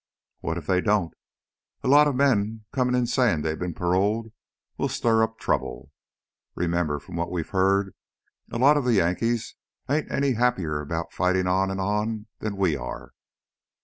"What if they don't? A lot of men comin' in sayin' they've been paroled will stir up trouble. Remember, from what we've heard, a lot of the Yankees ain't any happier about fightin' on and on than we are.